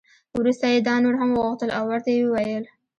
وروسته یې دا نور هم وغوښتل او ورته یې وویل.